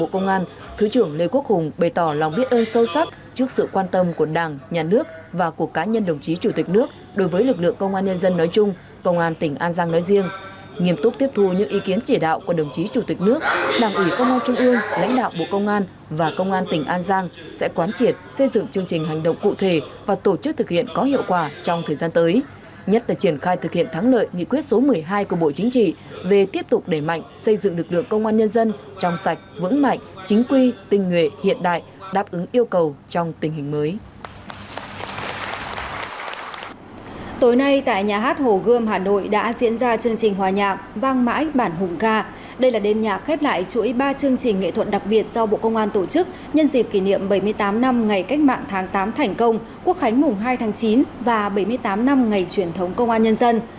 khép lại chuỗi ba chương trình nghệ thuật đặc biệt do bộ công an tổ chức nhân dịp kỷ niệm bảy mươi tám năm ngày cách mạng tháng tám thành công quốc khánh mùng hai tháng chín và bảy mươi tám năm ngày truyền thống công an nhân dân